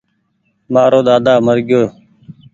مآرو ۮاۮا مر گيوٚ